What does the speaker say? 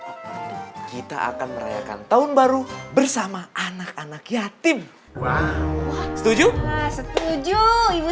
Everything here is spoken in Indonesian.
yang berbeda yang spesial kita akan merayakan tahun baru bersama anak anak yatim setuju setuju